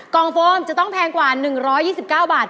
องโฟมจะต้องแพงกว่า๑๒๙บาท